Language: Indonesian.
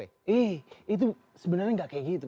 ih itu sebenarnya gak kayak gitu